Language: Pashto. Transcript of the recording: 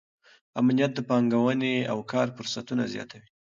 امنیت د پانګونې او کار فرصتونه زیاتوي.